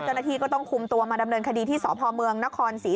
เจ้าหน้าที่ก็ต้องคุมตัวมาดำเนินคดีที่สพเมืองนครศรี